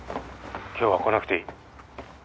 「今日は来なくていい」